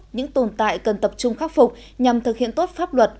những tồn tại cần tập trung khắc phục nhằm thực hiện tốt pháp luật